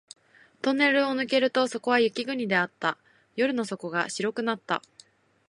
トンネルを抜けるとそこは雪国であった。夜の底が白くなった